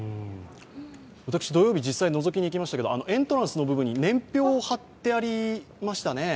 私、土曜日、実際にのぞきに行きましたけどエントランスの部分に年表が貼ってありましたね。